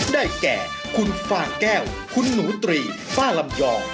ได้แก่คุณฟางแก้วคุณหนูตรีฝ้าลำยอง